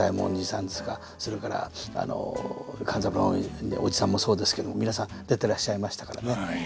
それから勘三郎のおじさんもそうですけど皆さん出てらっしゃいましたからね。